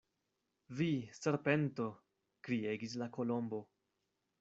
"Vi serpento!" kriegis la Kolombo.